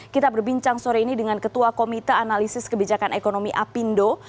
kita berbincang sore ini dengan ketua komite analisis kebijakan ekonomi apindo